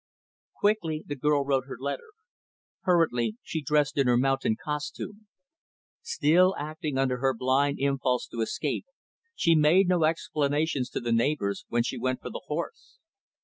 Quickly, the girl wrote her letter. Hurriedly, she dressed in her mountain costume. Still acting under her blind impulse to escape, she made no explanations to the neighbors, when she went for the horse.